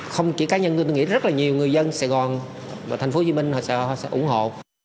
không chỉ cá nhân tôi nghĩ rất là nhiều người dân sài gòn và tp hcm họ sẽ ủng hộ